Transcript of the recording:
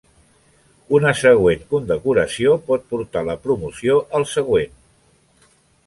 Una següent condecoració pot portar la promoció al següent.